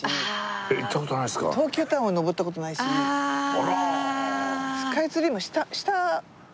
あら。